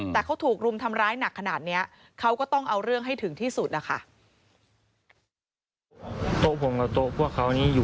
แต่เขาถูกรุมทำร้ายหนักขนาดนี้เขาก็ต้องเอาเรื่องให้ถึงที่สุดนะคะ